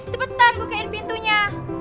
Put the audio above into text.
cepetan bukein pintunya